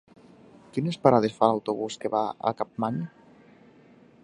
Quines parades fa l'autobús que va a Capmany?